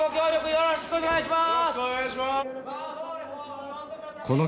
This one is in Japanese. よろしくお願いします。